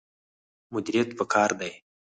مدیریت پکار دی